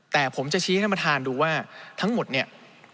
แต่ผมจะชี้ให้ท่านประธานดูว่าทั้งหมดเนี่ย